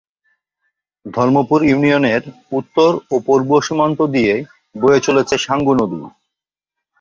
ধর্মপুর ইউনিয়নের উত্তর ও পূর্ব সীমান্ত দিয়ে বয়ে চলেছে সাঙ্গু নদী।